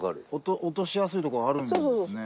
落としやすいとこがあるんですね。